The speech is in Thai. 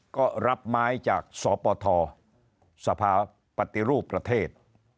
ก็รับไม้จากสปทสภาปฏิรูปประเทศ